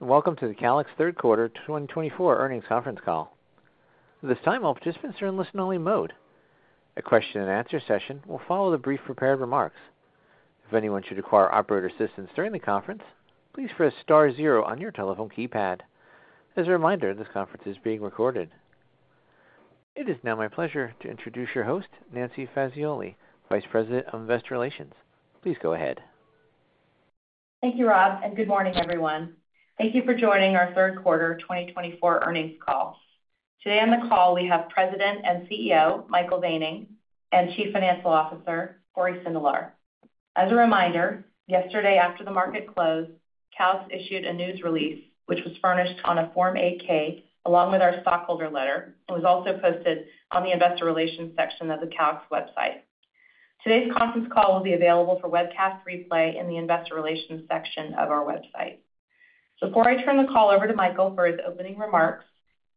Welcome to the Calix Q3 2024 Earnings Conference Call. At this time, all participants are in listen-only mode. A question-and-answer session will follow the brief prepared remarks. If anyone should require operator assistance during the conference, please press star zero on your telephone keypad. As a reminder, this conference is being recorded. It is now my pleasure to introduce your host, Nancy Fazioli, Vice President of Investor Relations. Please go ahead. Thank you, Rob, and good morning, everyone. Thank you for joining our Third Q3 2024 earnings call. Today on the call, we have President and CEO Michael Weening, and Chief Financial Officer Cory Sindelar. As a reminder, yesterday after the market closed, Calix issued a news release which was furnished on a Form 8-K along with our stockholder letter and was also posted on the Investor Relations section of the Calix website. Today's conference call will be available for webcast replay in the Investor Relations section of our website. Before I turn the call over to Michael for his opening remarks,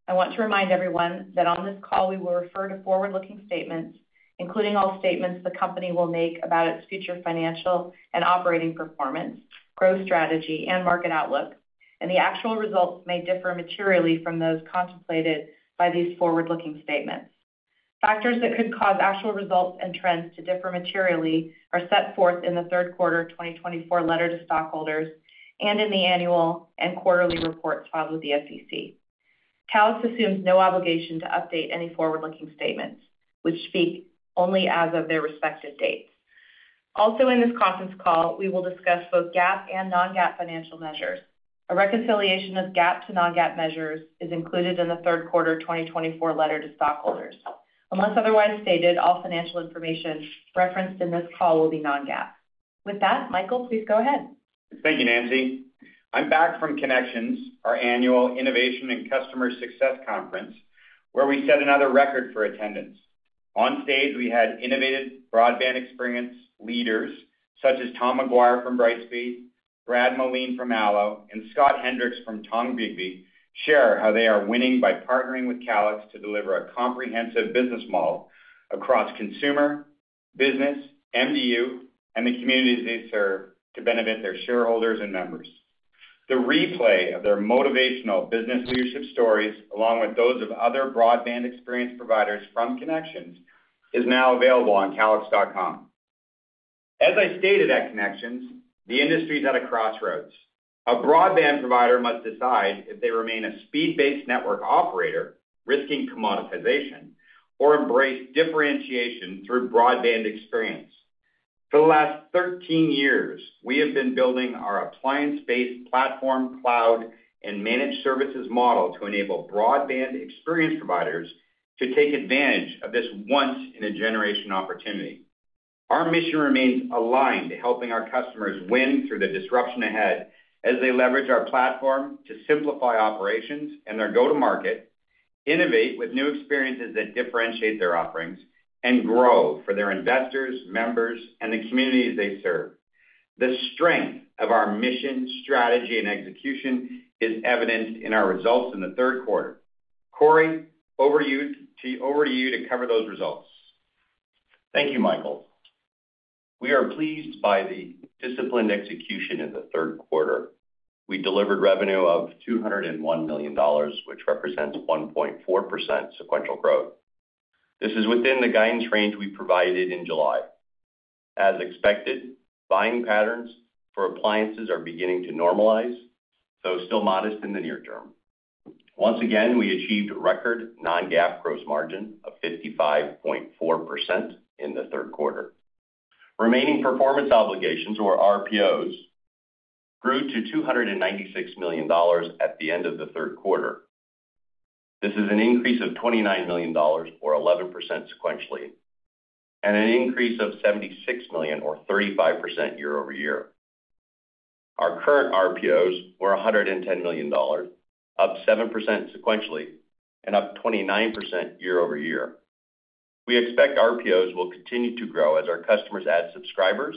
I want to remind everyone that on this call we will refer to forward-looking statements, including all statements the company will make about its future financial and operating performance, growth strategy, and market outlook, and the actual results may differ materially from those contemplated by these forward-looking statements. Factors that could cause actual results and trends to differ materially are set forth in the Q3 2024 letter to stockholders and in the annual and quarterly reports filed with the SEC. Calix assumes no obligation to update any forward-looking statements, which speak only as of their respective dates. Also, in this conference call, we will discuss both GAAP and non-GAAP financial measures. A reconciliation of GAAP to non-GAAP measures is included in the Q3 2024 letter to stockholders. Unless otherwise stated, all financial information referenced in this call will be non-GAAP. With that, Michael, please go ahead. Thank you, Nancy. I'm back from ConneXions, our annual Innovation and Customer Success Conference, where we set another record for attendance. On stage, we had innovative broadband experience leaders such as Tom McGuire from Brightspeed, Brad Moline from ALLO, and Scott Hendricks from Tombigbee share how they are winning by partnering with Calix to deliver a comprehensive business model across consumer, business, MDU, and the communities they serve to benefit their shareholders and members. The replay of their motivational business leadership stories, along with those of other broadband experience providers from ConneXions, is now available on calix.com. As I stated at ConneXions, the industry is at a crossroads. A broadband provider must decide if they remain a speed-based network operator, risking commoditization, or embrace differentiation through broadband experience. For the last 13 years, we have been building our appliance-based platform, cloud, and managed services model to enable broadband experience providers to take advantage of this once-in-a-generation opportunity. Our mission remains aligned to helping our customers win through the disruption ahead as they leverage our platform to simplify operations and their go-to-market, innovate with new experiences that differentiate their offerings, and grow for their investors, members, and the communities they serve. The strength of our mission, strategy, and execution is evident in our results in the Q3. Cory, over to you to cover those results. Thank you, Michael. We are pleased by the disciplined execution in the Q3. We delivered revenue of $201 million, which represents 1.4% sequential growth. This is within the guidance range we provided in July. As expected, buying patterns for appliances are beginning to normalize, though still modest in the near term. Once again, we achieved a record non-GAAP gross margin of 55.4% in the Q3. Remaining performance obligations, or RPOs, grew to $296 million at the end of the Q3. This is an increase of $29 million, or 11% sequentially, and an increase of $76 million, or 35% year-over-year. Our current RPOs were $110 million, up 7% sequentially, and up 29% year-over-year. We expect RPOs will continue to grow as our customers add subscribers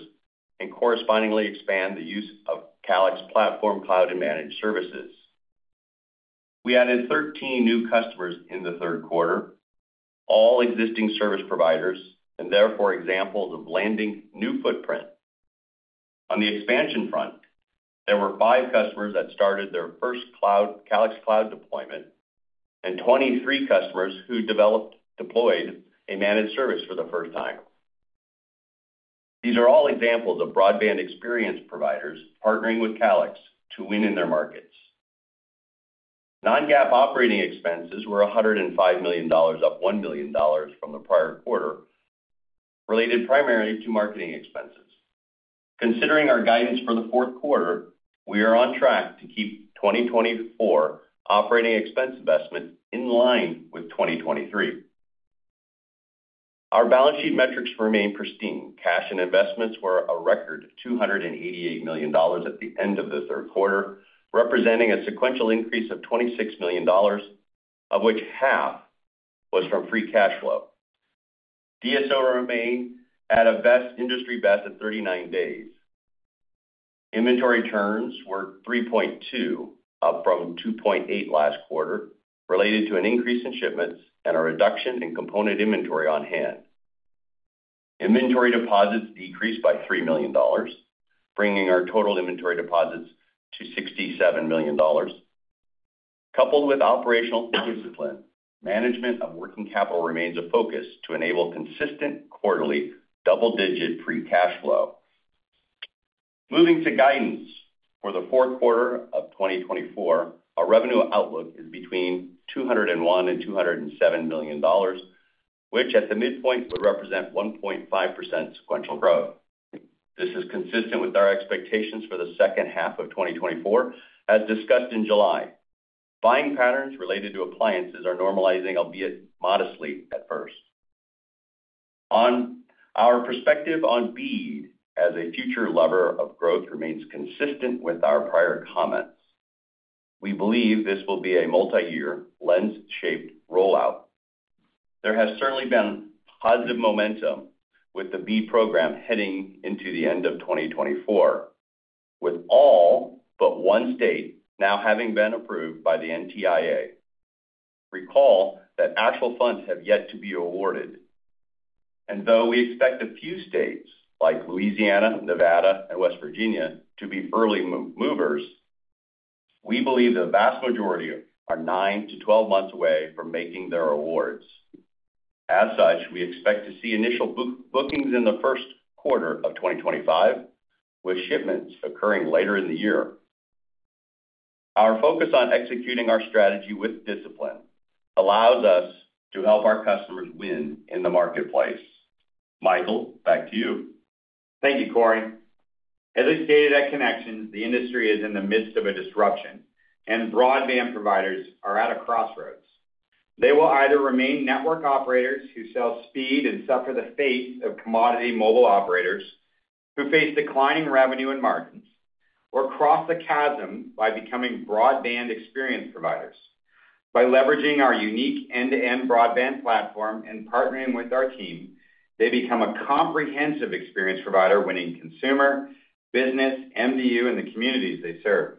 and correspondingly expand the use of Calix Platform, Cloud, and Managed Services. We added 13 new customers in the Q3, all existing service providers, and therefore examples of landing new footprint. On the expansion front, there were five customers that started their first Calix Cloud deployment and 23 customers who developed, deployed a managed service for the first time. These are all examples of broadband experience providers partnering with Calix to win in their markets. Non-GAAP operating expenses were $105 million, up $1 million from the prior quarter, related primarily to marketing expenses. Considering our guidance for the Q4, we are on track to keep 2024 operating expense investment in line with 2023. Our balance sheet metrics remain pristine. Cash and investments were a record $288 million at the end of the Q3, representing a sequential increase of $26 million, of which half was from free cash flow. DSO remained at a best industry best at 39 days. Inventory turns were 3.2, up from 2.8 last quarter, related to an increase in shipments and a reduction in component inventory on hand. Inventory deposits decreased by $3 million, bringing our total inventory deposits to $67 million. Coupled with operational discipline, management of working capital remains a focus to enable consistent quarterly double-digit free cash flow. Moving to guidance for the Q4 of 2024, our revenue outlook is between $201 million and $207 million, which at the midpoint would represent 1.5% sequential growth. This is consistent with our expectations for the second half of 2024, as discussed in July. Buying patterns related to appliances are normalizing, albeit modestly at first. Our perspective on BEAD as a future lever of growth remains consistent with our prior comments. We believe this will be a multi-year bell-shaped rollout. There has certainly been positive momentum with the BEAD program heading into the end of 2024, with all but one state now having been approved by the NTIA. Recall that actual funds have yet to be awarded, and though we expect a few states like Louisiana, Nevada, and West Virginia to be early movers, we believe the vast majority are nine to 12 months away from making their awards. As such, we expect to see initial bookings in the Q1 of 2025, with shipments occurring later in the year. Our focus on executing our strategy with discipline allows us to help our customers win in the marketplace. Michael, back to you. Thank you, Cory. As I stated at ConneXions, the industry is in the midst of a disruption, and broadband providers are at a crossroads. They will either remain network operators who sell speed and suffer the fate of commodity mobile operators who face declining revenue and margins, or cross the chasm by becoming broadband experience providers. By leveraging our unique end-to-end broadband platform and partnering with our team, they become a comprehensive experience provider winning consumer, business, MDU, and the communities they serve.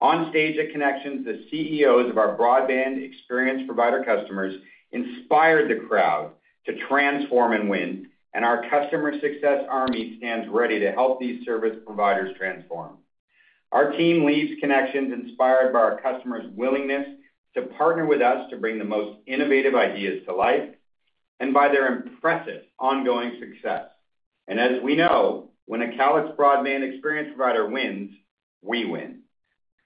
On stage at ConneXions, the CEOs of our broadband experience provider customers inspired the crowd to transform and win, and our customer success army stands ready to help these service providers transform. Our team leaves ConneXionsinspired by our customers' willingness to partner with us to bring the most innovative ideas to life and by their impressive ongoing success. As we know, when a Calix broadband experience provider wins, we win.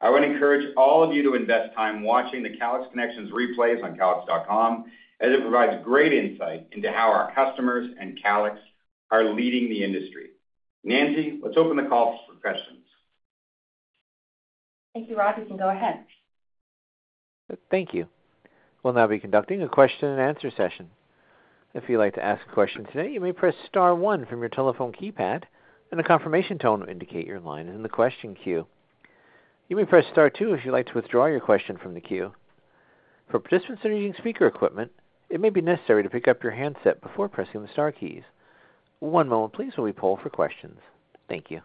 I want to encourage all of you to invest time watching the Calix ConneXions replays on calix.com as it provides great insight into how our customers and Calix are leading the industry. Nancy, let's open the call for questions. Thank you, Rob. You can go ahead. Thank you. We'll now be conducting a question-and-answer session. If you'd like to ask a question today, you may press star one from your telephone keypad, and a confirmation tone will indicate your line is in the question queue. You may press star two if you'd like to withdraw your question from the queue. For participants that are using speaker equipment, it may be necessary to pick up your handset before pressing the star keys. One moment, please, while we pull for questions. Thank you.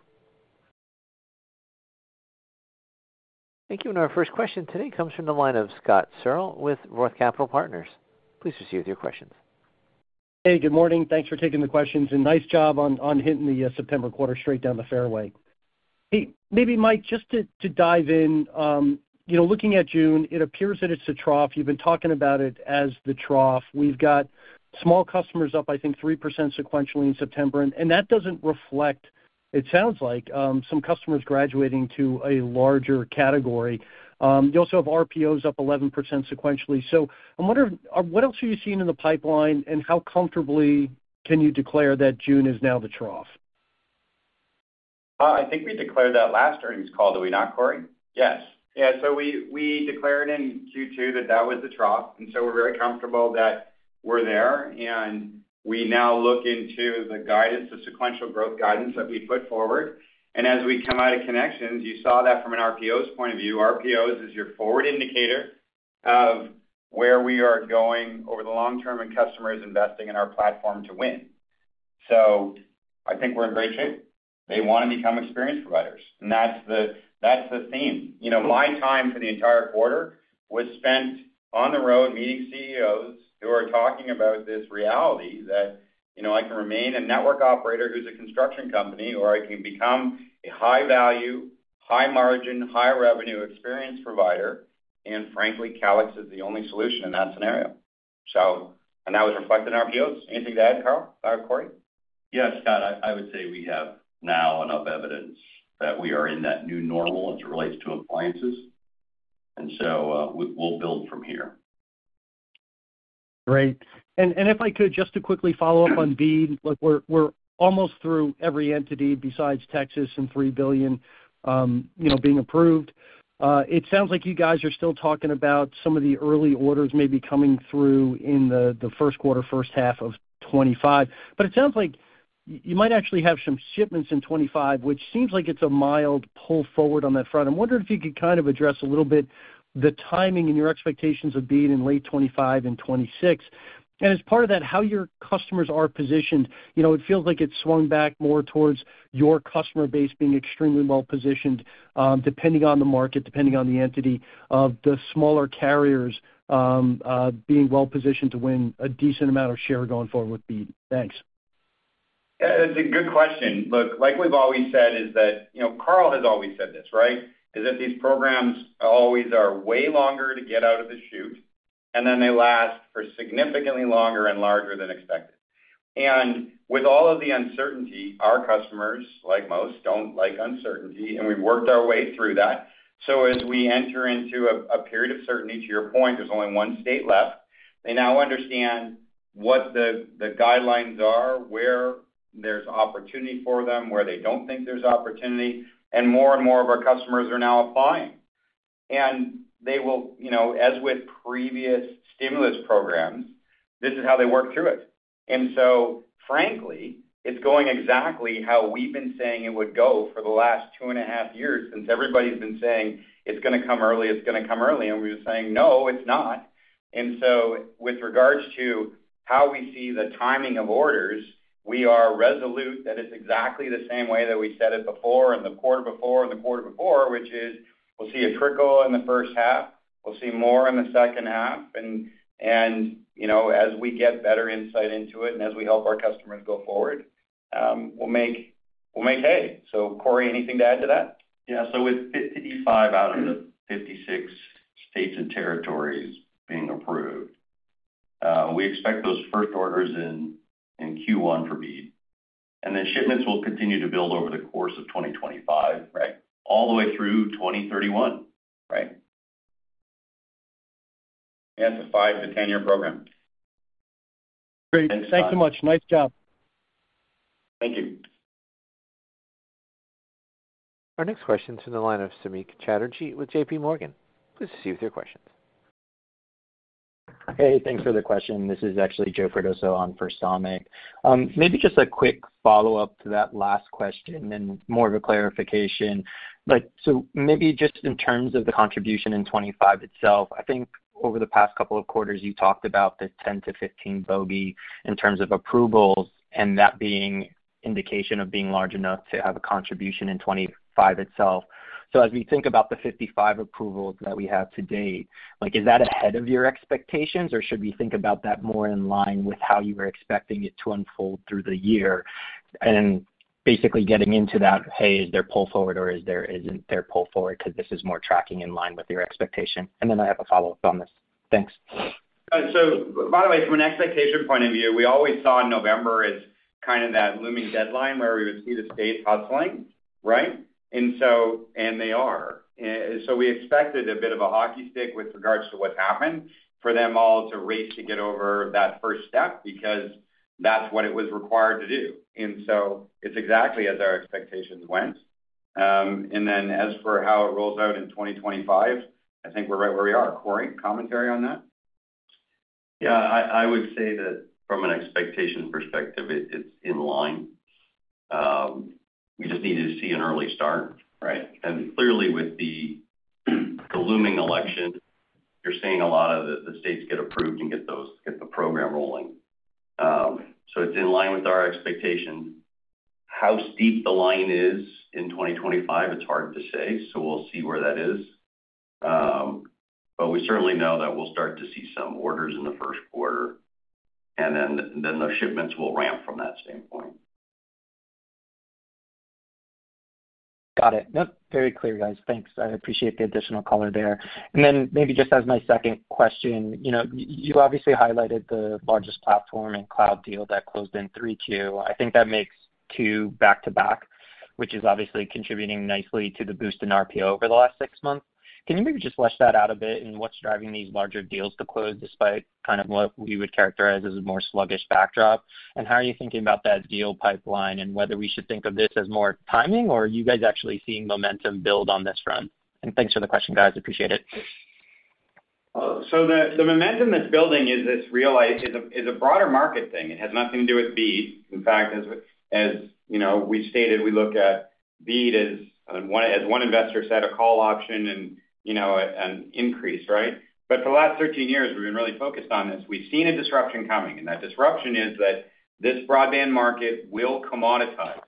Thank you. And our first question today comes from the line of Scott Searle with Roth MKM. Please proceed with your questions. Hey, good morning. Thanks for taking the questions and nice job on hitting the September quarter straight down the fairway. Hey, maybe, Mike, just to dive in, looking at June, it appears that it's a trough. You've been talking about it as the trough. We've got small customers up, I think, 3% sequentially in September, and that doesn't reflect, it sounds like, some customers graduating to a larger category. You also have RPOs up 11% sequentially, so I'm wondering, what else are you seeing in the pipeline, and how comfortably can you declare that June is now the trough? I think we declared that last earnings call, did we not, Cory? Yes. Yeah. So we declared in Q2 that that was the trough. And so we're very comfortable that we're there. And we now look into the guidance, the sequential growth guidance that we put forward. And as we come out of ConneXions, you saw that from an RPO's point of view. RPOs is your forward indicator of where we are going over the long term and customers investing in our platform to win. So I think we're in great shape. They want to become experience providers. And that's the theme. My time for the entire quarter was spent on the road meeting CEOs who are talking about this reality that I can remain a network operator who's a construction company, or I can become a high-value, high-margin, high-revenue experience provider. And frankly, Calix is the only solution in that scenario. And that was reflected in RPOs. Anything to add, Carl, Cory? Yes, Scott, I would say we have now enough evidence that we are in that new normal as it relates to appliances, and so we'll build from here. Great. And if I could, just to quickly follow up on BEAD, we're almost through every entity besides Texas and $3 billion being approved. It sounds like you guys are still talking about some of the early orders maybe coming through in the Q1, first half of 2025. But it sounds like you might actually have some shipments in 2025, which seems like it's a mild pull forward on that front. I'm wondering if you could kind of address a little bit the timing and your expectations of BEAD in late 2025 and 2026. And as part of that, how your customers are positioned, it feels like it's swung back more towards your customer base being extremely well-positioned, depending on the market, depending on the entity, of the smaller carriers being well-positioned to win a decent amount of share going forward with BEAD. Thanks. That's a good question. Look, like we've always said, is that Carl has always said this, right, is that these programs always are way longer to get out of the chute, and then they last for significantly longer and larger than expected, and with all of the uncertainty, our customers, like most, don't like uncertainty, and we've worked our way through that, so as we enter into a period of certainty, to your point, there's only one state left. They now understand what the guidelines are, where there's opportunity for them, where they don't think there's opportunity, and more and more of our customers are now applying, and they will, as with previous stimulus programs, this is how they work through it. And so frankly, it's going exactly how we've been saying it would go for the last two and a half years since everybody's been saying, "It's going to come early. It's going to come early." And we were saying, "No, it's not." And so with regards to how we see the timing of orders, we are resolute that it's exactly the same way that we said it before and the quarter before and the quarter before, which is we'll see a trickle in the first half. We'll see more in the second half. And as we get better insight into it and as we help our customers go forward, we'll make hay. So Cory, anything to add to that? Yeah. So with 55 out of the 56 states and territories being approved, we expect those first orders in Q1 for BEAD. And then shipments will continue to build over the course of 2025, right, all the way through 2031, right? Yeah. It's a 5-10-year program. Great. Thanks so much. Nice job. Thank you. Our next question is in the line of Samik Chatterjee with JPMorgan. Please proceed with your questions. Hey, thanks for the question. This is actually Joe Cardoso from JPMorgan. Maybe just a quick follow-up to that last question and more of a clarification, so maybe just in terms of the contribution in 2025 itself. I think over the past couple of quarters, you talked about the 10 to 15 bogey in terms of approvals and that being indication of being large enough to have a contribution in 2025 itself, so as we think about the 55 approvals that we have to date, is that ahead of your expectations, or should we think about that more in line with how you were expecting it to unfold through the year, and basically getting into that, hey, is there pull forward or is there isn't there pull forward because this is more tracking in line with your expectation, and then I have a follow-up on this. Thanks. So by the way, from an expectation point of view, we always saw November as kind of that looming deadline where we would see the states hustling, right? And they are. So we expected a bit of a hockey stick with regards to what happened for them all to race to get over that first step because that's what it was required to do. And so it's exactly as our expectations went. And then as for how it rolls out in 2025, I think we're right where we are. Cory, commentary on that? Yeah. I would say that from an expectation perspective, it's in line. We just needed to see an early start, right? And clearly, with the looming election, you're seeing a lot of the states get approved and get the program rolling. So it's in line with our expectations. How steep the line is in 2025, it's hard to say. So we'll see where that is. But we certainly know that we'll start to see some orders in the Q1. And then the shipments will ramp from that standpoint. Got it. No, very clear, guys. Thanks. I appreciate the additional color there. And then maybe just as my second question, you obviously highlighted the largest platform and cloud deal that closed in Q3. I think that makes two back to back, which is obviously contributing nicely to the boost in RPO over the last six months. Can you maybe just flesh that out a bit and what's driving these larger deals to close despite kind of what we would characterize as a more sluggish backdrop? And how are you thinking about that deal pipeline and whether we should think of this as more timing or are you guys actually seeing momentum build on this front? And thanks for the question, guys. Appreciate it. So the momentum that's building is a broader market thing. It has nothing to do with BEAD. In fact, as we stated, we look at BEAD as one investor said, a call option and an increase, right? But for the last 13 years, we've been really focused on this. We've seen a disruption coming. And that disruption is that this broadband market will commoditize.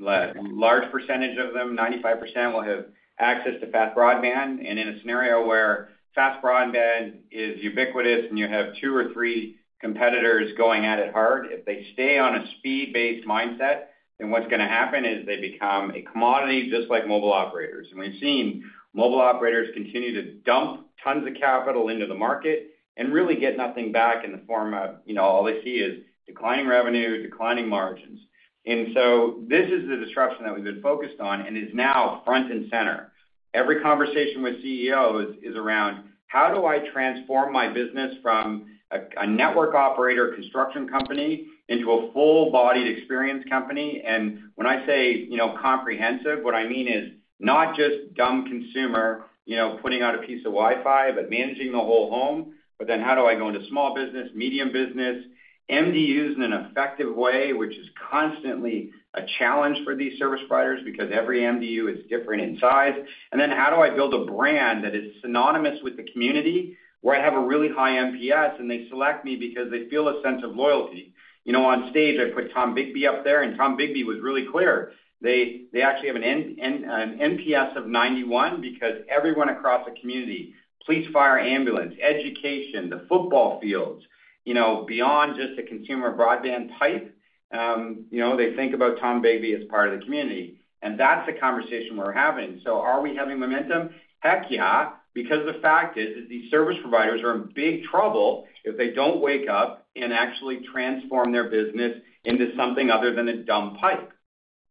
A large percentage of them, 95%, will have access to fast broadband. And in a scenario where fast broadband is ubiquitous and you have two or three competitors going at it hard, if they stay on a speed-based mindset, then what's going to happen is they become a commodity just like mobile operators. And we've seen mobile operators continue to dump tons of capital into the market and really get nothing back in the form of all they see is declining revenue, declining margins. And so this is the disruption that we've been focused on and is now front and center. Every conversation with CEOs is around, how do I transform my business from a network operator construction company into a full-bodied experience company? And when I say comprehensive, what I mean is not just dumb consumer putting out a piece of Wi-Fi, but managing the whole home. But then how do I go into small business, medium business, MDUs in an effective way, which is constantly a challenge for these service providers because every MDU is different in size? And then how do I build a brand that is synonymous with the community where I have a really high NPS and they select me because they feel a sense of loyalty? On stage, I put Tombigbee up there. And Tombigbee was really clear. They actually have an NPS of 91 because everyone across the community, police, fire, ambulance, education, the football fields, beyond just a consumer broadband pipe, they think about Tombigbee as part of the community. And that's the conversation we're having. So are we having momentum? Heck yeah. Because the fact is that these service providers are in big trouble if they don't wake up and actually transform their business into something other than a dumb pipe.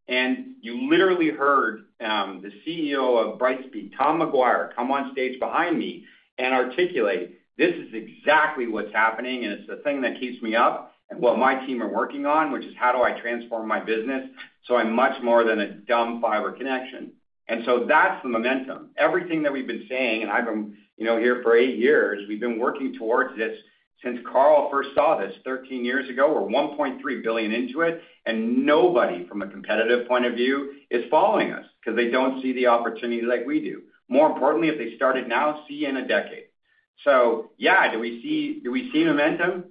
And you literally heard the CEO of Brightspeed, Tom Maguire, come on stage behind me and articulate, "This is exactly what's happening. And it's the thing that keeps me up and what my team are working on, which is how do I transform my business so I'm much more than a dumb fiber connection." And so that's the momentum. Everything that we've been saying, and I've been here for eight years. We've been working towards this since Carl Russo first saw this 13 years ago. We're $1.3 billion into it. And nobody from a competitive point of view is following us because they don't see the opportunity like we do. More importantly, if they started now, see in a decade. So yeah, do we see momentum?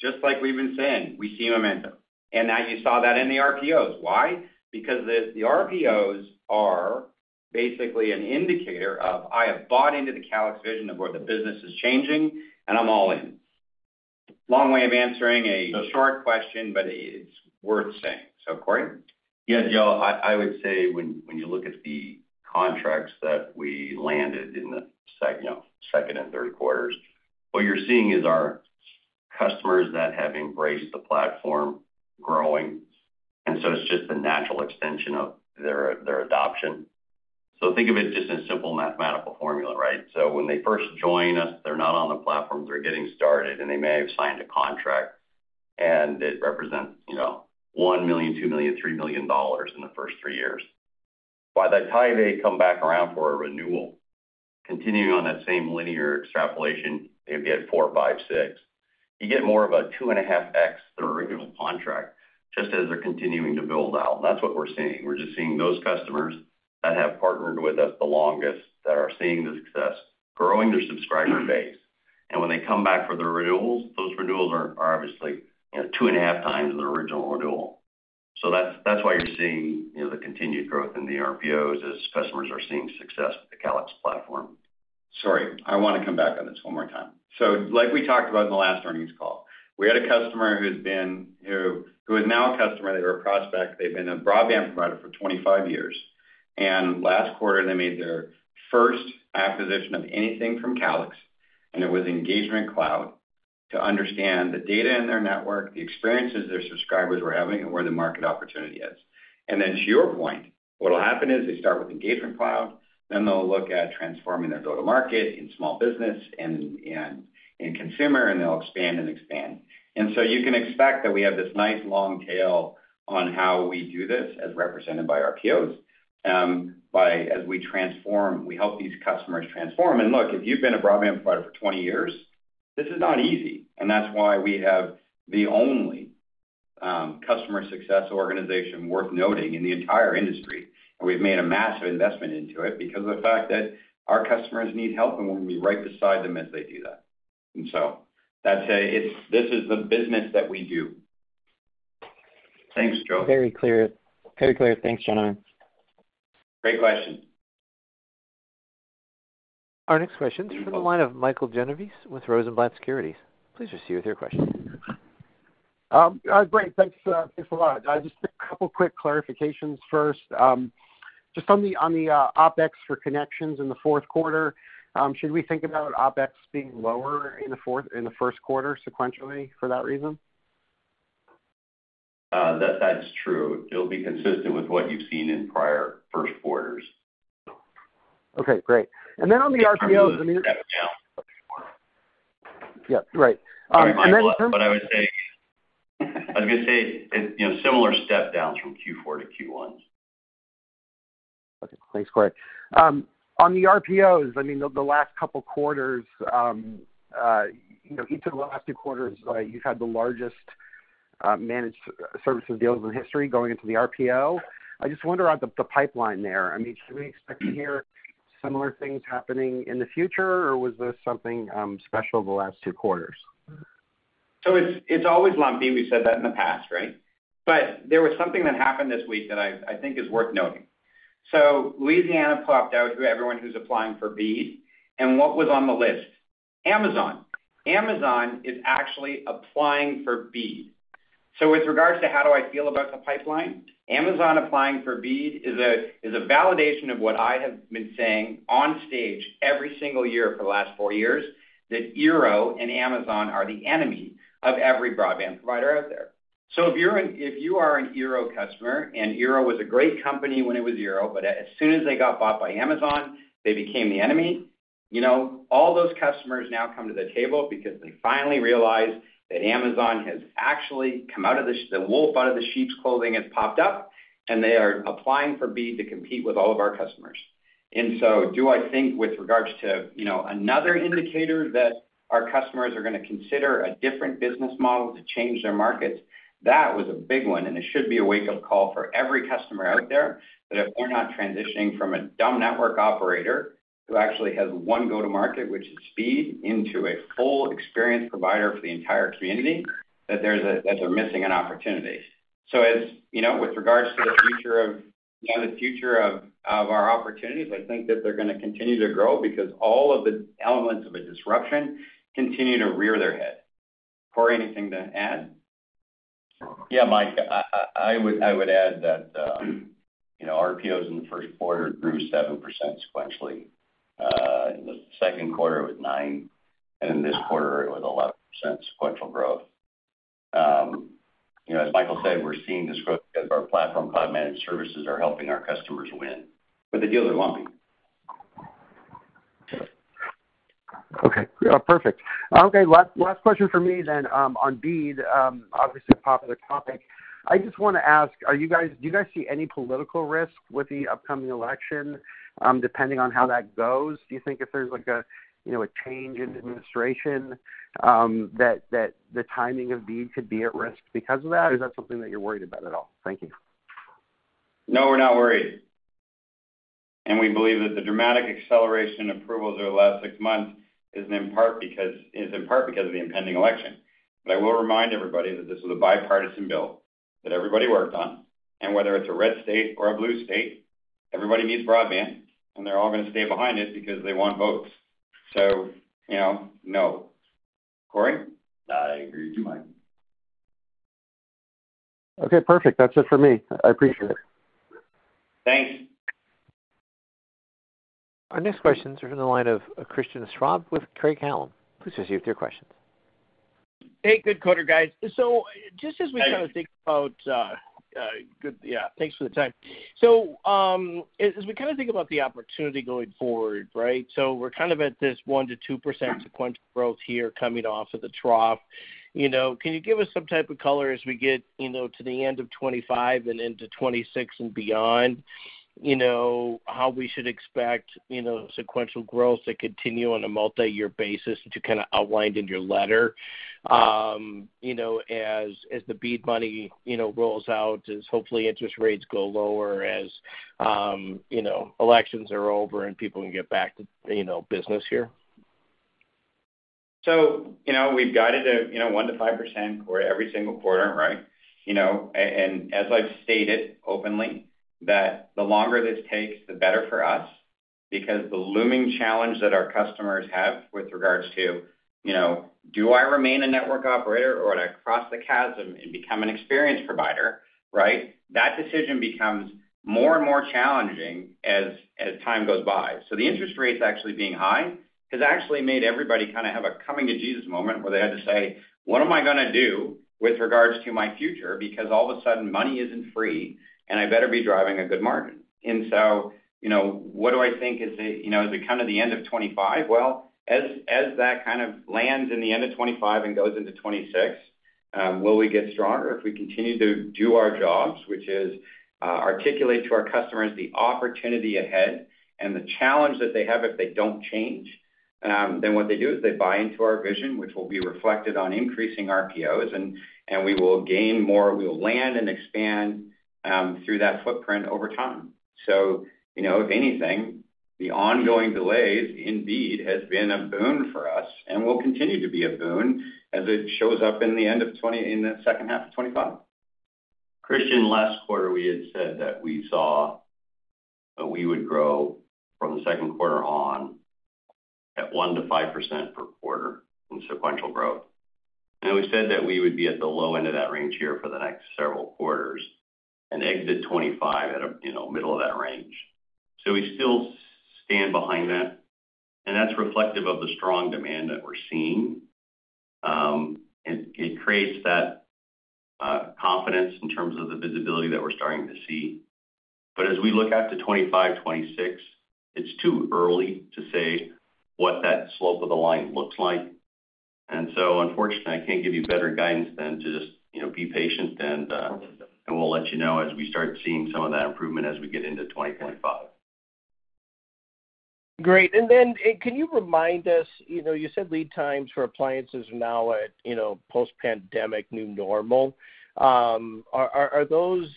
Just like we've been saying, we see momentum. And now you saw that in the RPOs. Why? Because the RPOs are basically an indicator of, "I have bought into the Calix vision of where the business is changing, and I'm all in." Long way of answering a short question, but it's worth saying. So Cory? Yeah, Joe, I would say when you look at the contracts that we landed in the second and Q1, what you're seeing is our customers that have embraced the platform growing. And so it's just a natural extension of their adoption. So think of it just as a simple mathematical formula, right? So when they first join us, they're not on the platform. They're getting started, and they may have signed a contract. And it represents $1 million, $2 million, $3 million in the first three years. By that time, they come back around for a renewal. Continuing on that same linear extrapolation, they'd be at 4, 5, 6. You get more of a 2.5x the original contract just as they're continuing to build out. And that's what we're seeing. We're just seeing those customers that have partnered with us the longest that are seeing the success, growing their subscriber base. And when they come back for the renewals, those renewals are obviously 2.5 times the original renewal. So that's why you're seeing the continued growth in the RPOs as customers are seeing success with the Calix platform. Sorry, I want to come back on this one more time. So like we talked about in the last earnings call, we had a customer who is now a customer. They were a prospect. They've been a broadband provider for 25 years. And last quarter, they made their first acquisition of anything from Calix. And it was Engagement Cloud to understand the data in their network, the experiences their subscribers were having, and where the market opportunity is. And then to your point, what will happen is they start with Engagement Cloud, then they'll look at transforming their go-to-market in small business and in consumer, and they'll expand and expand. And so you can expect that we have this nice long tail on how we do this as represented by our POs. As we transform, we help these customers transform. And look, if you've been a broadband provider for 20 years, this is not easy. And that's why we have the only customer success organization worth noting in the entire industry. And we've made a massive investment into it because of the fact that our customers need help, and we're going to be right beside them as they do that. And so that's it. This is the business that we do. Thanks, Joe. Very clear. Great question. Our next question is from the line of Michael Genovese with Rosenblatt Securities. Please proceed with your question. Great. Thanks a lot. Just a couple of quick clarifications first. Just on the OpEx for ConneXions in the Q4, should we think about OpEx being lower in the Q1 sequentially for that reason? That's true. It'll be consistent with what you've seen in prior Q1. Okay. Great. And then on the RPOs. Step down. Yeah. Right. But I would say I was going to say similar step downs from Q4 to Q1. Okay. Thanks, Cory. On the RPOs, I mean, the last couple of quarters, each of the last two quarters, you've had the largest managed services deals in history going into the RPO. I just wonder about the pipeline there. I mean, should we expect to hear similar things happening in the future, or was this something special the last two quarters? So it's always lumpy. We've said that in the past, right? But there was something that happened this week that I think is worth noting. Louisiana popped out to everyone who's applying for BEAD. And what was on the list? Amazon. Amazon is actually applying for BEAD. With regards to how do I feel about the pipeline, Amazon applying for BEAD is a validation of what I have been saying on stage every single year for the last four years that Eero and Amazon are the enemy of every broadband provider out there. So if you are an Eero customer, and Eero was a great company when it was Eero, but as soon as they got bought by Amazon, they became the enemy. All those customers now come to the table because they finally realize that Amazon has actually come out of the wolf out of the sheep's clothing has popped up, and they are applying for BEAD to compete with all of our customers. And so do I think with regards to another indicator that our customers are going to consider a different business model to change their markets? That was a big one. And it should be a wake-up call for every customer out there that if they're not transitioning from a dumb network operator who actually has one go-to-market, which is speed, into a full experience provider for the entire community, that they're missing an opportunity. So with regards to the future of the future of our opportunities, I think that they're going to continue to grow because all of the elements of a disruption continue to rear their head. Cory, anything to add? Yeah, Mike. I would add that RPOs in the Q1 grew 7% sequentially. In the Q2, it was 9%. And in this quarter, it was 11% sequential growth. As Michael said, we're seeing this growth because our platform cloud managed services are helping our customers win. But the deals are lumpy. Last question for me then on BEAD, obviously a popular topic. I just want to ask, do you guys see any political risk with the upcoming election depending on how that goes? Do you think if there's a change in administration that the timing of BEAD could be at risk because of that? Is that something that you're worried about at all? Thank you. No, we're not worried. And we believe that the dramatic acceleration in approvals over the last six months is in part because of the impending election. But I will remind everybody that this is a bipartisan bill that everybody worked on. And whether it's a red state or a blue state, everybody needs broadband. And they're all going to stay behind it because they want votes. So no. Cory? I agree with you, Mike. Okay. Perfect. That's it for me. I appreciate it. Thanks. Our next questions are from the line of Christian Schwab with Craig-Hallum. Please proceed with your questions. Hey, good quarter, guys. So just as we kind of think about good, yeah, thanks for the time. So as we kind of think about the opportunity going forward, right, so we're kind of at this 1%-2% sequential growth here coming off of the trough. Can you give us some type of color as we get to the end of 2025 and into 2026 and beyond how we should expect sequential growth to continue on a multi-year basis that you kind of outlined in your letter as the BEAD money rolls out, as hopefully interest rates go lower, as elections are over, and people can get back to business here? We've guided a 1%-5% for every single quarter, right? And as I've stated openly, that the longer this takes, the better for us because the looming challenge that our customers have with regards to, "Do I remain a network operator, or do I cross the chasm and become an experience provider?" Right? That decision becomes more and more challenging as time goes by. The interest rates actually being high has actually made everybody kind of have a coming-to-Jesus moment where they had to say, "What am I going to do with regards to my future?" Because all of a sudden, money isn't free, and I better be driving a good margin. And so what do I think as we come to the end of 2025? As that kind of lands in the end of 2025 and goes into 2026, will we get stronger if we continue to do our jobs, which is articulate to our customers the opportunity ahead and the challenge that they have if they don't change? Then what they do is they buy into our vision, which will be reflected on increasing RPOs. And we will gain more. We will land and expand through that footprint over time. So if anything, the ongoing delays in BEAD have been a boon for us and will continue to be a boon as it shows up in the end of 2024 in the second half of 2025. Christian, last quarter, we had said that we saw that we would grow from the Q2 on at 1%-5% per quarter in sequential growth. And we said that we would be at the low end of that range here for the next several quarters and exit 2025 at the middle of that range. So we still stand behind that. And that's reflective of the strong demand that we're seeing. It creates that confidence in terms of the visibility that we're starting to see. But as we look out to 2025, 2026, it's too early to say what that slope of the line looks like. And so unfortunately, I can't give you better guidance than to just be patient, and we'll let you know as we start seeing some of that improvement as we get into 2025. Great, and then can you remind us, you said lead times for appliances are now at post-pandemic new normal. Are those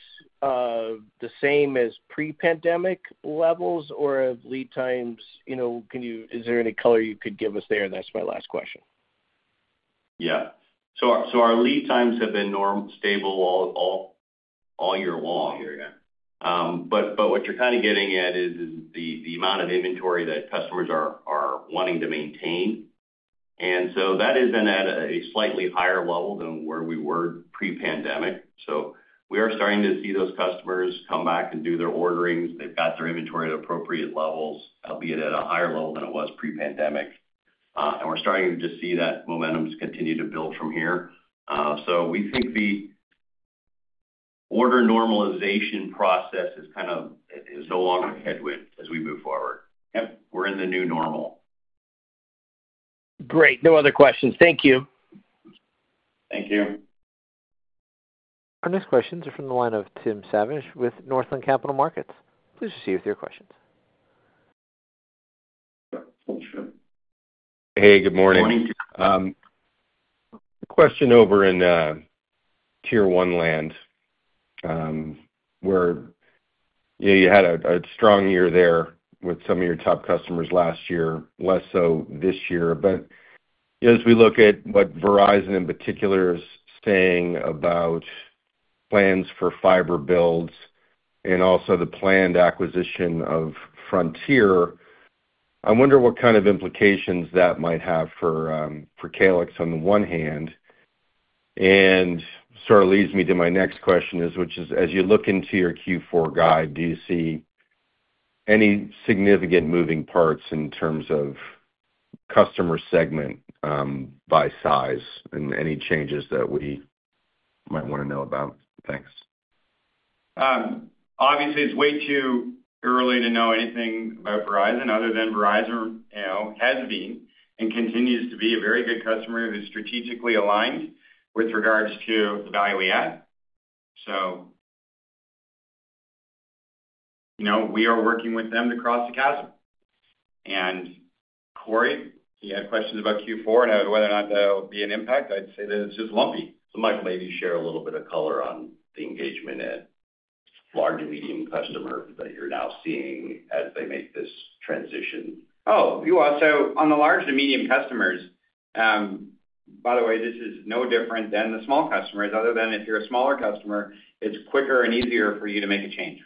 the same as pre-pandemic levels? Or have lead times? Is there any color you could give us there? That's my last question. Yeah. So our lead times have been stable all year long here. But what you're kind of getting at is the amount of inventory that customers are wanting to maintain. And so that is then at a slightly higher level than where we were pre-pandemic. So we are starting to see those customers come back and do their orderings. They've got their inventory at appropriate levels, albeit at a higher level than it was pre-pandemic. And we're starting to just see that momentum continue to build from here. So we think the order normalization process is kind of no longer a headwind as we move forward. Yep. We're in the new normal. Great. No other questions. Thank you. Thank you. Our next questions are from the line of Tim Savageaux with Northland Capital Markets. Please proceed with your questions. Hey, good morning. Good morning. Question over in Tier 1 land. You had a strong year there with some of your top customers last year, less so this year. But as we look at what Verizon in particular is saying about plans for fiber builds and also the planned acquisition of Frontier, I wonder what kind of implications that might have for Calix on the one hand. And sort of leads me to my next question, which is, as you look into your Q4 guide, do you see any significant moving parts in terms of customer segment by size and any changes that we might want to know about? Thanks. Obviously, it's way too early to know anything about Verizon other than Verizon has been and continues to be a very good customer who's strategically aligned with regards to the value we add. So we are working with them to cross the chasm. And Cory, you had questions about Q4 and whether or not there'll be an impact. I'd say that it's just lumpy. I'd like maybe to share a little bit of color on the engagement at large and medium customers that you're now seeing as they make this transition. Oh, so on the large to medium customers, by the way, this is no different than the small customers. Other than if you're a smaller customer, it's quicker and easier for you to make a change.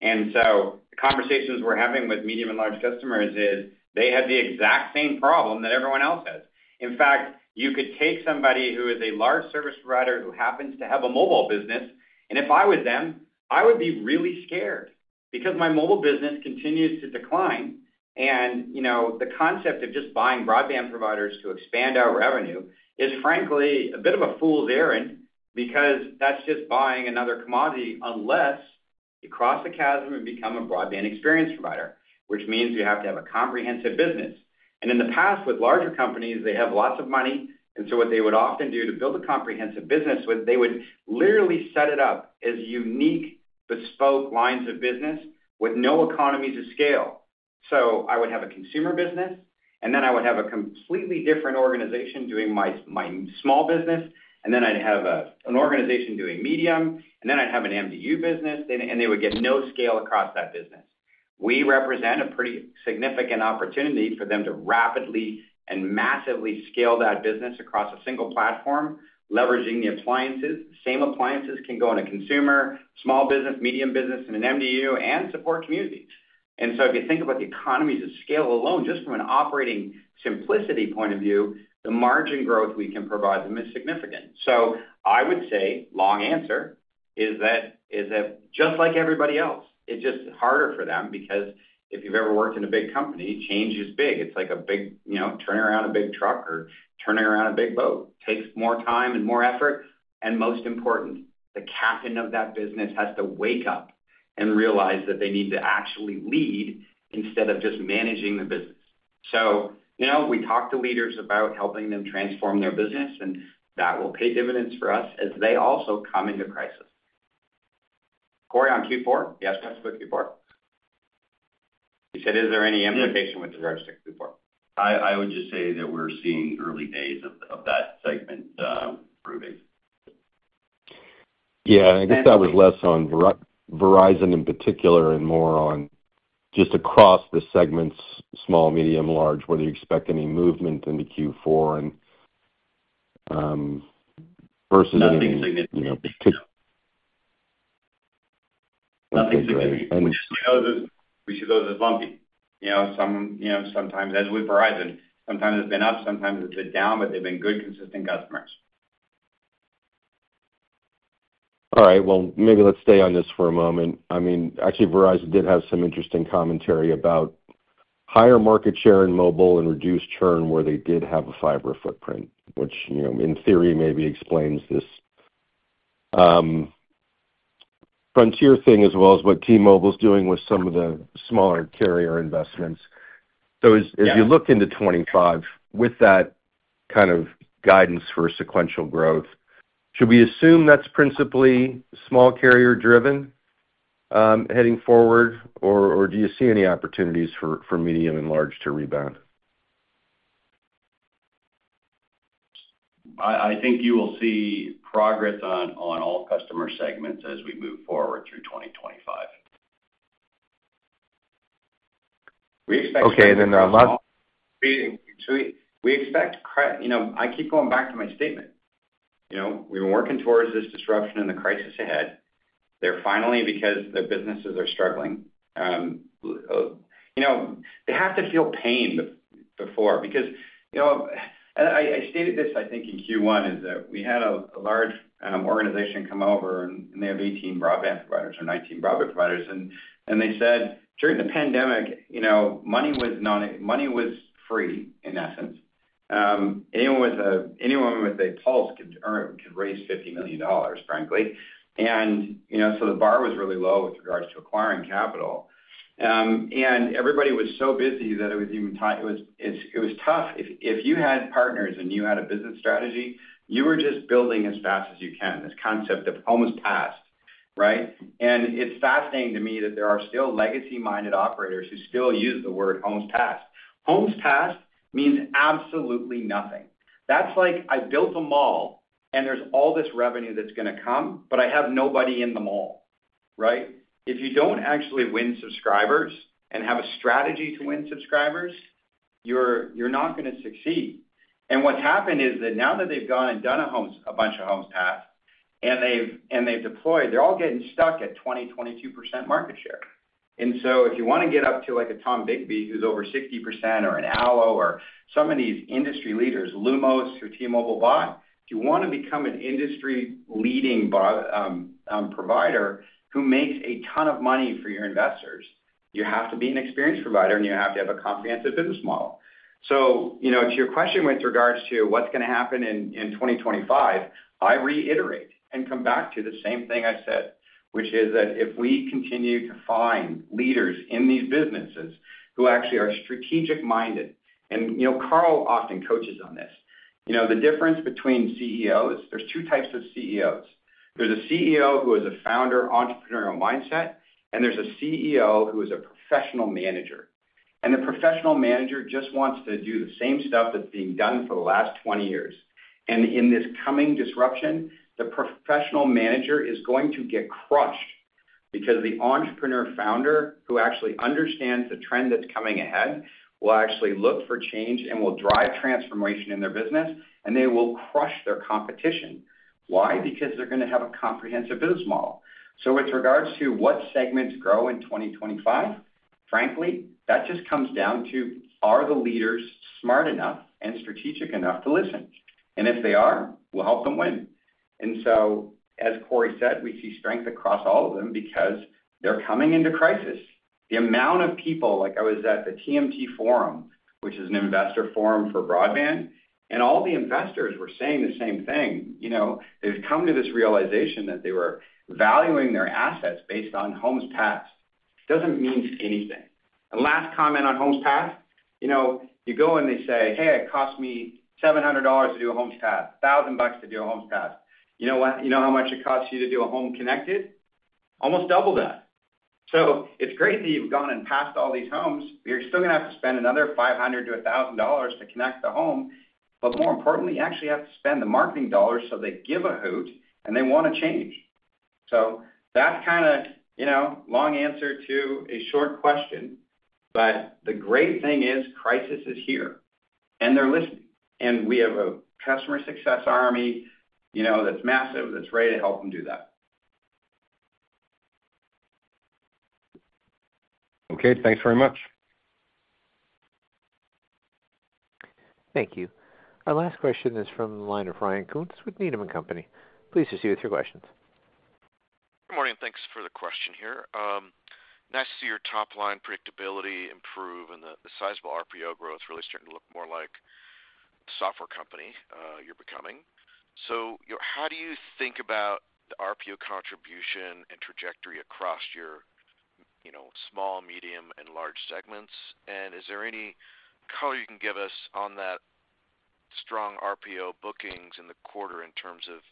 And so the conversations we're having with medium and large customers is they have the exact same problem that everyone else has. In fact, you could take somebody who is a large service provider who happens to have a mobile business. And if I was them, I would be really scared because my mobile business continues to decline. And the concept of just buying broadband providers to expand our revenue is, frankly, a bit of a fool's errand because that's just buying another commodity unless you cross the chasm and become a Broadband Experience Provider, which means you have to have a comprehensive business. And in the past, with larger companies, they have lots of money. And so what they would often do to build a comprehensive business, they would literally set it up as unique, bespoke lines of business with no economies of scale. So I would have a consumer business, and then I would have a completely different organization doing my small business, and then I'd have an organization doing medium, and then I'd have an MDU business, and they would get no scale across that business. We represent a pretty significant opportunity for them to rapidly and massively scale that business across a single platform, leveraging the appliances. The same appliances can go into consumer, small business, medium business, and an MDU and support communities. And so if you think about the economies of scale alone, just from an operating simplicity point of view, the margin growth we can provide them is significant. So I would say, long answer, is that just like everybody else, it's just harder for them because if you've ever worked in a big company, change is big. It's like a big turning around a big truck or turning around a big boat. It takes more time and more effort. And most important, the captain of that business has to wake up and realize that they need to actually lead instead of just managing the business. So we talk to leaders about helping them transform their business, and that will pay dividends for us as they also come into crisis. Cory on Q4? Yes, let's go Q4. You said, is there any implication with regards to Q4? I would just say that we're seeing early days of that segment improving. Yeah. I guess that was less on Verizon in particular and more on just across the segments, small, medium, large, whether you expect any movement in the Q4 versus anything? Nothing significant. Nothing significant. We see those as lumpy. Sometimes, as with Verizon, sometimes it's been up, sometimes it's been down, but they've been good, consistent customers. All right. Well, maybe let's stay on this for a moment. I mean, actually, Verizon did have some interesting commentary about higher market share in mobile and reduced churn where they did have a fiber footprint, which in theory maybe explains this Frontier thing as well as what T-Mobile's doing with some of the smaller carrier investments. So as you look into 2025, with that kind of guidance for sequential growth, should we assume that's principally small carrier-driven heading forward, or do you see any opportunities for medium and large to rebound? I think you will see progress on all customer segments as we move forward through 2025. We expect strong. Okay. And then last. So, we expect. I keep going back to my statement. We've been working towards this disruption and the crisis ahead. They're finally, because their businesses are struggling, they have to feel pain before. Because I stated this, I think, in Q1, is that we had a large organization come over, and they have 18 broadband providers or 19 broadband providers. And they said, "During the pandemic, money was free, in essence. Anyone with a pulse could raise $50 million, frankly." And so the bar was really low with regards to acquiring capital. And everybody was so busy that it was even tough. If you had partners and you had a business strategy, you were just building as fast as you can. This concept of Homes Passed, right? And it's fascinating to me that there are still legacy-minded operators who still use the word Homes Passed. Homes passed means absolutely nothing. That's like I built a mall, and there's all this revenue that's going to come, but I have nobody in the mall, right? If you don't actually win subscribers and have a strategy to win subscribers, you're not going to succeed. And what's happened is that now that they've gone and done a bunch of homes passed and they've deployed, they're all getting stuck at 20%-22% market share. And so if you want to get up to like a Tombigbee who's over 60% or an ALLO or some of these industry leaders, Lumos or T-Mobile, but if you want to become an industry-leading provider who makes a ton of money for your investors, you have to be an experience provider, and you have to have a comprehensive business model. So, to your question with regards to what's going to happen in 2025, I reiterate and come back to the same thing I said, which is that if we continue to find leaders in these businesses who actually are strategic-minded, and Carl often coaches on this, the difference between CEOs. There's two types of CEOs. There's a CEO who has a founder entrepreneurial mindset, and there's a CEO who is a professional manager. And the professional manager just wants to do the same stuff that's being done for the last 20 years. And in this coming disruption, the professional manager is going to get crushed because the entrepreneur founder who actually understands the trend that's coming ahead will actually look for change and will drive transformation in their business, and they will crush their competition. Why? Because they're going to have a comprehensive business model. With regards to what segments grow in 2025, frankly, that just comes down to, are the leaders smart enough and strategic enough to listen? And if they are, we'll help them win. As Cory said, we see strength across all of them because they're coming into crisis. The amount of people, like I was at the TMT Forum, which is an investor forum for broadband, and all the investors were saying the same thing. They've come to this realization that they were valuing their assets based on homes passed. It doesn't mean anything. Last comment on homes passed, you go and they say, "Hey, it costs me $700 to do a homes pass, $1,000 to do a homes pass." You know how much it costs you to do a home connected? Almost double that. It's great that you've gone and passed all these homes. You're still going to have to spend another $500-$1,000 to connect the home. But more importantly, you actually have to spend the marketing dollars so they give a hoot and they want to change. So that's kind of long answer to a short question. But the great thing is Calix is here, and they're listening. And we have a customer success army that's massive that's ready to help them do that. Okay. Thanks very much. Thank you. Our last question is from the line of Ryan Koontz with Needham & Company. Please proceed with your questions. Good morning. Thanks for the question here. Nice to see your top-line predictability improve and the sizable RPO growth really starting to look more like a software company you're becoming, so how do you think about the RPO contribution and trajectory across your small, medium, and large segments, and is there any color you can give us on that strong RPO bookings in the quarter in terms of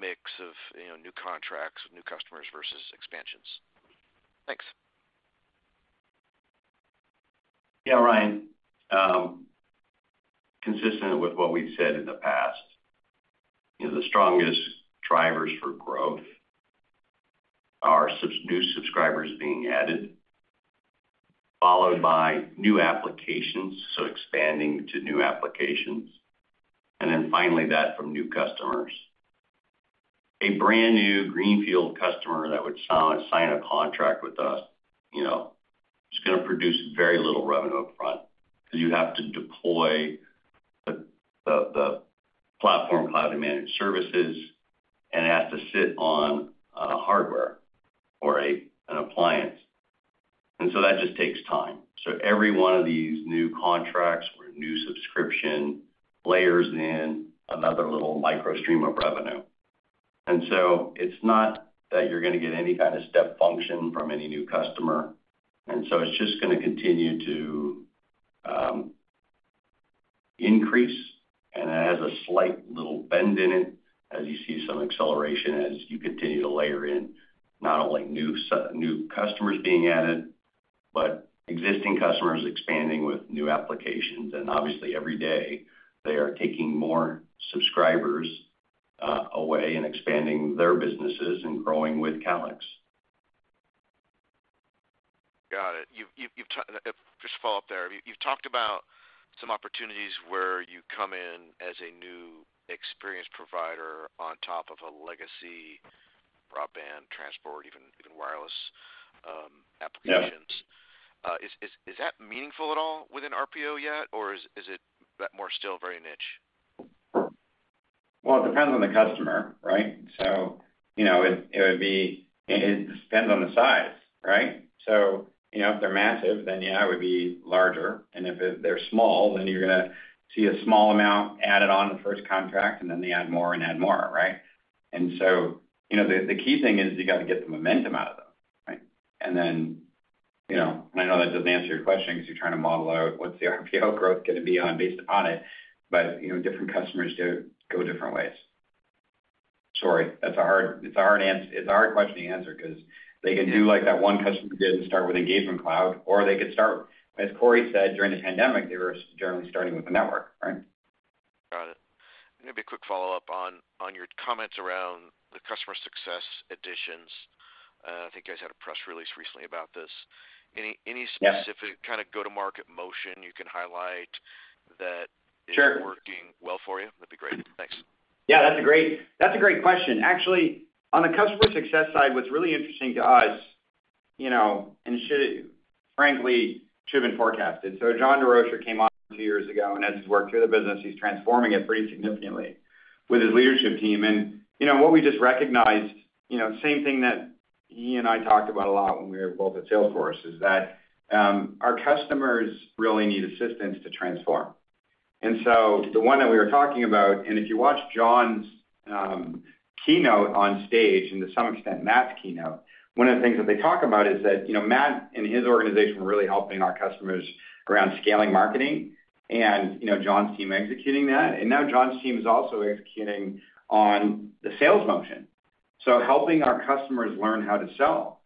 mix of new contracts with new customers versus expansions? Thanks. Yeah, Ryan. Consistent with what we've said in the past, the strongest drivers for growth are new subscribers being added, followed by new applications, so expanding to new applications. And then finally, that from new customers. A brand new Greenfield customer that would sign a contract with us is going to produce very little revenue upfront because you have to deploy the platform cloud-managed services and have to ship on hardware or an appliance. And so that just takes time. So every one of these new contracts or new subscription layers is another little micro stream of revenue. And so it's not that you're going to get any kind of step function from any new customer. And so it's just going to continue to increase, and it has a slight little bend in it as you see some acceleration as you continue to layer in not only new customers being added, but existing customers expanding with new applications. And obviously, every day, they are taking more subscribers away and expanding their businesses and growing with Calix. Got it. Just to follow up there, you've talked about some opportunities where you come in as a new experience provider on top of a legacy broadband, transport, even wireless applications. Is that meaningful at all within RPO yet, or is it more still very niche? Well, it depends on the customer, right? So it would be, it depends on the size, right? So if they're massive, then yeah, it would be larger. And if they're small, then you're going to see a small amount added on the first contract, and then they add more and add more, right? And so the key thing is you got to get the momentum out of them, right? And then I know that doesn't answer your question because you're trying to model out what's the RPO growth going to be on based upon it, but different customers go different ways. Sorry. That's a hard question to answer because they can do like that one customer did and start with Engagement Cloud, or they could start, as Cory said, during the pandemic, they were generally starting with the network, right? Got it. Maybe a quick follow-up on your comments around the customer success additions. I think you guys had a press release recently about this. Any specific kind of go-to-market motion you can highlight that is working well for you? That'd be great. Thanks. Yeah, that's a great question. Actually, on the customer success side, what's really interesting to us, and frankly, should have been forecasted. So John Durocher came on two years ago, and as he's worked through the business, he's transforming it pretty significantly with his leadership team. And what we just recognized, same thing that he and I talked about a lot when we were both at Salesforce, is that our customers really need assistance to transform. And so the one that we were talking about, and if you watch John's keynote on stage and to some extent Matt's keynote, one of the things that they talk about is that Matt and his organization were really helping our customers around scaling marketing and John's team executing that. And now John's team is also executing on the sales motion, so helping our customers learn how to sell.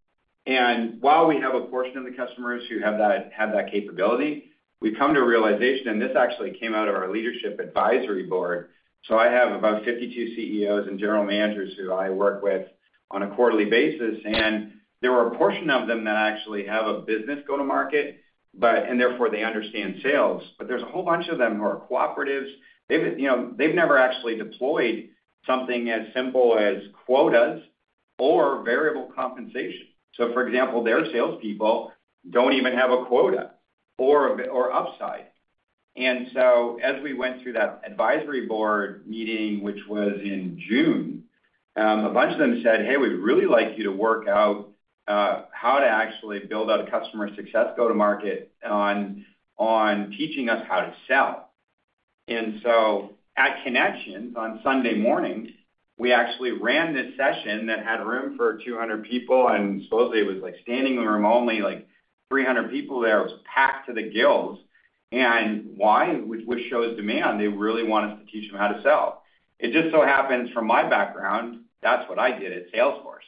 And while we have a portion of the customers who have that capability, we've come to a realization, and this actually came out of our leadership advisory board. So I have about 52 CEOs and general managers who I work with on a quarterly basis, and there were a portion of them that actually have a business go-to-market, and therefore they understand sales. But there's a whole bunch of them who are cooperatives. They've never actually deployed something as simple as quotas or variable compensation. So for example, their salespeople don't even have a quota or upside. And so as we went through that advisory board meeting, which was in June, a bunch of them said, "Hey, we'd really like you to work out how to actually build out a customer success go-to-market on teaching us how to sell." And so at ConneXions on Sunday morning, we actually ran this session that had room for 200 people, and supposedly it was standing room only, like 300 people there. It was packed to the gills. And why? Which shows demand. They really want us to teach them how to sell. It just so happens from my background, that's what I did at Salesforce.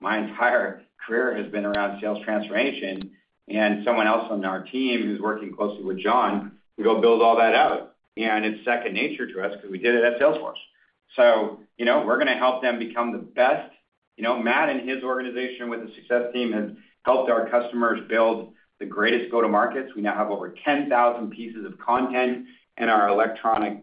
My entire career has been around sales transformation, and someone else on our team who's working closely with John, we go build all that out. And it's second nature to us because we did it at Salesforce. So we're going to help them become the best. Matt and his organization with the success team have helped our customers build the greatest go-to-markets. We now have over 10,000 pieces of content in our electronic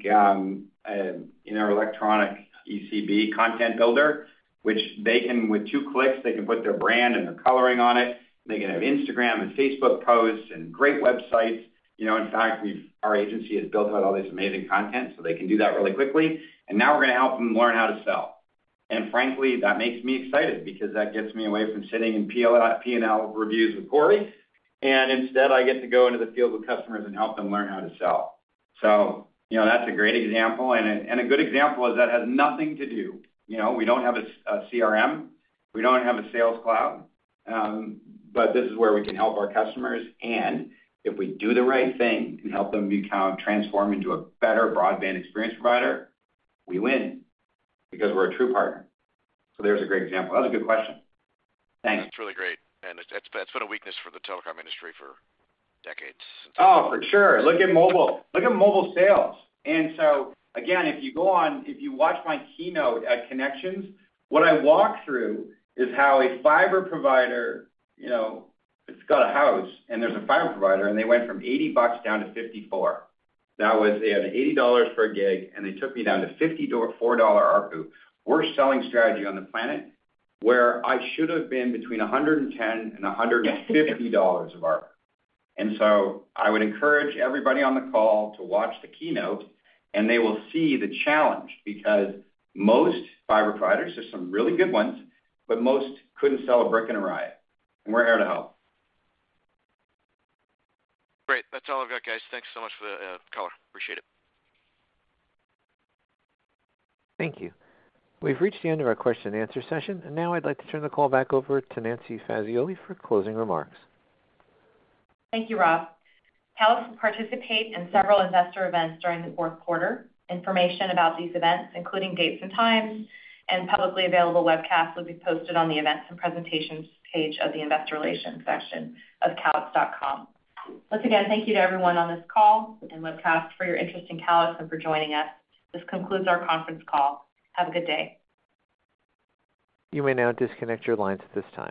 ECB content builder, which they can, with two clicks, they can put their brand and their coloring on it. They can have Instagram and Facebook posts and great websites. In fact, our agency has built out all this amazing content, so they can do that really quickly. And now we're going to help them learn how to sell. And frankly, that makes me excited because that gets me away from sitting in P&L reviews with Cory. And instead, I get to go into the field with customers and help them learn how to sell. So that's a great example. And a good example is that has nothing to do. We don't have a CRM. We don't have a Sales Cloud, but this is where we can help our customers, and if we do the right thing and help them become transformed into a better broadband experience provider, we win because we're a true partner, so there's a great example. That's a good question. Thanks. Truly great. And it's been a weakness for the telecom industry for decades. Oh, for sure. Look at mobile sales. And so again, if you go on, if you watch my keynote at ConneXions, what I walk through is how a fiber provider, it's got a house, and there's a fiber provider, and they went from $80 down to $54. That was $80 per gig, and they took me down to $54 ARPU. Worst selling strategy on the planet where I should have been between $110 and $150 of ARPU. And so I would encourage everybody on the call to watch the keynote, and they will see the challenge because most fiber providers, there's some really good ones, but most couldn't sell a brick and a riot. And we're here to help. Great. That's all I've got, guys. Thanks so much for the color. Appreciate it. Thank you. We've reached the end of our question-and-answer session. And now I'd like to turn the call back over to Nancy Fazioli for closing remarks. Thank you, Ross. Calix will participate in several investor events during the Q4. Information about these events, including dates and times and publicly available webcasts, will be posted on the events and presentations page of the investor relations section of calix.com. Once again, thank you to everyone on this call and webcast for your interest in Calix and for joining us. This concludes our conference call. Have a good day. You may now disconnect your lines at this time.